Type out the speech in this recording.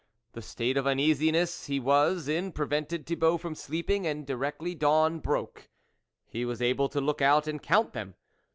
The state of uneasiness he was in prevented Thibault from sleeping, and directly dawn broke, he was able to look out and count them.